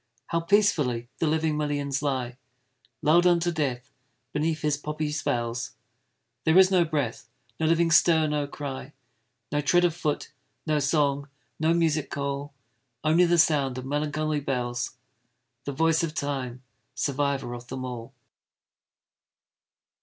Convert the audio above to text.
How peacefully the living millions lie! Lull'd unto death beneath his poppy spells; There is no breath no living stir no cry No tread of foot no song no music call Only the sound of melancholy bells The voice of Time survivor of them all!